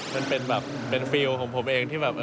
มันเป็นแบบเป็นฟิลล์ของผมเองที่แบบ